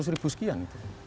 seratus ribu sekian